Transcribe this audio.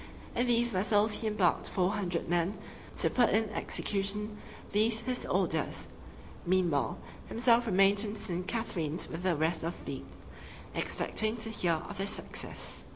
In these vessels he embarked four hundred men, to put in execution these his orders. Meanwhile, himself remained in St. Catherine's with the rest of the fleet, expecting to hear of their success.